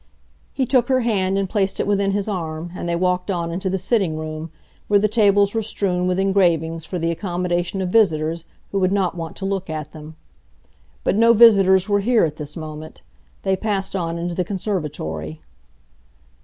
He took her hand and placed it within his arm, and they walked on into the sitting room, where the tables were strewn with engravings for the accommodation of visitors who would not want to look at them. But no visitors were here at this moment. They passed on into the conservatory.